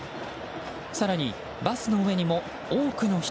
更に、バスの上にも多くの人。